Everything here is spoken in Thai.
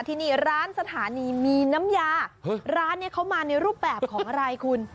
ที่นี่ร้านสถานีมีน้ำยาร้านนี้เขามาในรูปแบบของอะไรคุณ